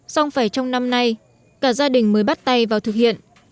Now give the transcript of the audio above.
xong phải trong năm nay cả gia đình mới bắt tay vào thực hiện